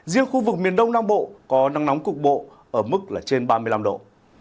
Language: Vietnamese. riêng khu vực miền đông nam bộ có nắng nóng cục bộ ở mức là trên ba mươi năm độ